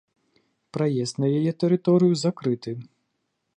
Праезд на яе тэрыторыю закрыты.